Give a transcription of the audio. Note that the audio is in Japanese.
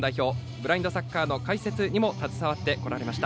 ブラインドサッカーの解説にも携わってこられました。